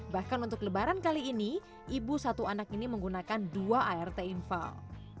bahkan untuk lebaran kali ini ibu satu anak ini menggunakan dua art infal